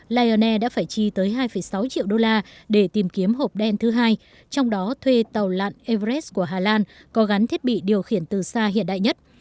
lion air đã phải chi tới hai sáu triệu đô la để tìm kiếm hộp đen thứ hai trong đó thuê tàu lặn everes của hà lan có gắn thiết bị điều khiển từ xa hiện đại nhất